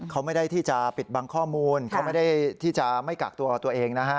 เขาไม่ได้ที่จะปิดบังข้อมูลเขาไม่ได้ที่จะไม่กักตัวตัวเองนะฮะ